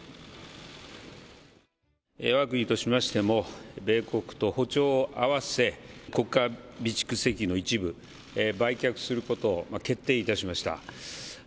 わが国としましても、米国と歩調を合わせ、国家備蓄石油の一部売却することを決定をいたしました。